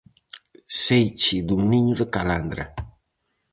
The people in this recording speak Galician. Seiche dun niño de calandra.